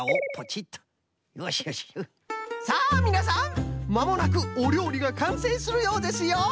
さあみなさんまもなくおりょうりがかんせいするようですよ！